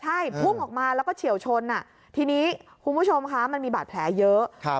ใช่พุ่งออกมาแล้วก็เฉียวชนทีนี้คุณผู้ชมคะมันมีบาดแผลเยอะ